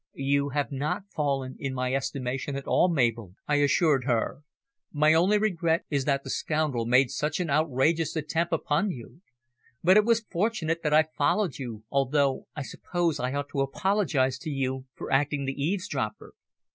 "You have not fallen in my estimation at all, Mabel," I assured her. "My only regret is that the scoundrel made such an outrageous attempt upon you. But it was fortunate that I followed you, although I suppose I ought to apologise to you for acting the eavesdropper."